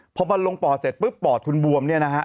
พอมันลงปอดเสร็จปุ๊บปอดคุณบวมเนี่ยนะฮะ